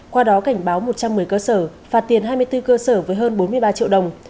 qua đó cảnh báo một trăm một mươi cơ sở phạt tiền hai mươi bốn cơ sở với hơn bốn mươi ba triệu đồng